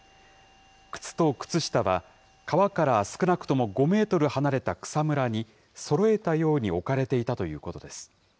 靴と靴下は、川から少なくとも５メートル離れた草むらに、そろえたように置かれていたということです。